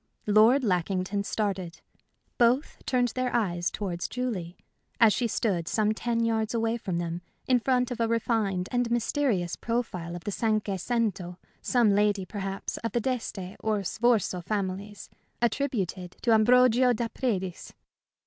Lord Lackington started. Both turned their eyes towards Julie, as she stood some ten yards away from them, in front of a refined and mysterious profile of the cinque cento some lady, perhaps, of the d'Este or Sforza families, attributed to Ambrogio da Predis.